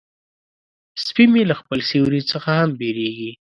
سپي مې له خپل سیوري څخه هم بیریږي.